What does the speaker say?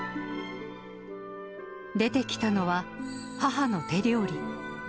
出てきたのは、母の手料理。